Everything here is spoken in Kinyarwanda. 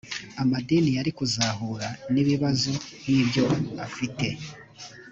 amadini yari kuzahura n ‘ibibazo nk’ ibyo afite